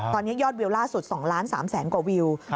ตอนนี้ยอดวิวล่าสุด๒ล้าน๓แสนกว่าวิว